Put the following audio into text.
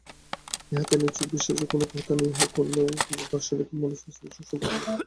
ইহাতে নিছক বিশ্বাসের কোন কথা নাই, ইহা কোন কোন দার্শনিকের মনস্তত্ব-বিশ্লেষণের ফলমাত্র।